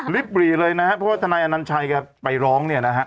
ริบบรีเลยนะฮะเพราะทนายอนันทรายกับไปล้อง